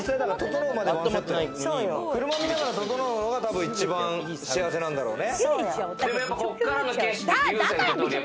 車見ながら整うのが、多分一番幸せなんだろうね。